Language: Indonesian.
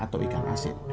atau ikan asin